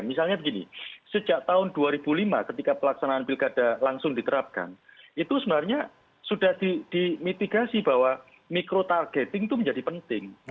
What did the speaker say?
misalnya begini sejak tahun dua ribu lima ketika pelaksanaan pilkada langsung diterapkan itu sebenarnya sudah dimitigasi bahwa mikro targeting itu menjadi penting